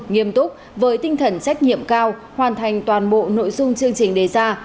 nghiêm túc với tinh thần trách nhiệm cao hoàn thành toàn bộ nội dung chương trình đề ra